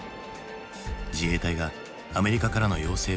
自衛隊がアメリカからの要請を受け